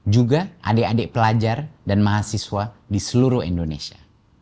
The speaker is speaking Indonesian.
juga adik adik pelajar dan mahasiswa di seluruh indonesia